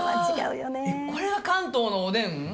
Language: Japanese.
これが関東のおでん？